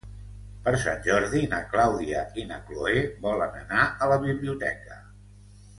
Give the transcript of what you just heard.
Per Sant Jordi na Clàudia i na Cloè volen anar a la biblioteca.